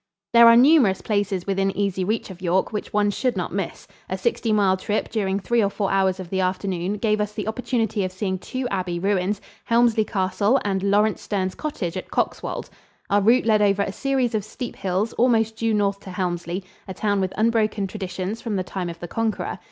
There are numerous places within easy reach of York which one should not miss. A sixty mile trip during three or four hours of the afternoon gave us the opportunity of seeing two abbey ruins, Helmsley Castle and Laurence Sterne's cottage at Coxwold. Our route led over a series of steep hills almost due north to Helmsley, a town with unbroken traditions from the time of the Conqueror.